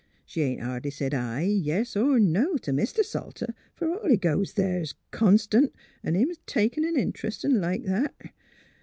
'' She ain't hardly said aye, yes er no t' Mr. Salter, fer all he goes there s' constant, an' him takin' an int'rest, an' like that.